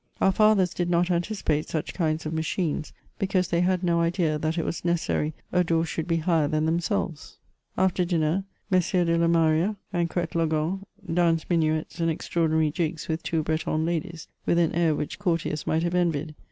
Our fathers did not anticipate such kinds of machines, because they had no idea that it was necessary a door should be higher than themselves. CHATEAUBRIAND. 195 Aflter dinner, MM. de Loraaria and Coetlogon danced minuets and extraordinary jigs with two Breton ladies, with an air which courtiers might have envied.